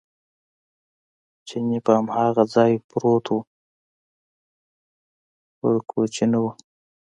چیني په هماغه ځای پروت و، پر کوچې نه و.